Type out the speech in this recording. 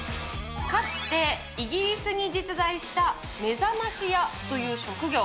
かつてイギリスに実在した目覚まし屋という職業。